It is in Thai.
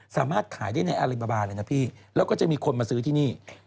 สามารถขายได้ในอลิบาบาเลยนะพี่แล้วก็จะมีคนมาซื้อที่นี่